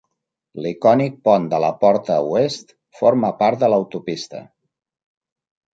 L'icònic pont de la porta oest forma part de l'autopista.